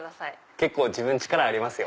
結構自分力ありますよ。